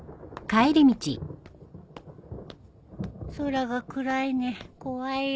空が暗いね怖いよ。